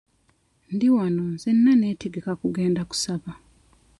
Ndi wano nzenna neetegekera kugenda kusaba.